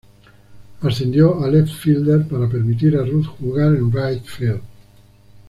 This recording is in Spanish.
Ascendió a left-fielder para permitir a Ruth jugar en right-field.